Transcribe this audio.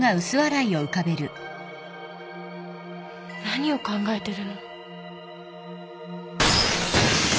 何を考えてるの？